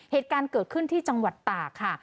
เหตุการณ์เกิดขึ้นที่จังหวัดตากค่ะ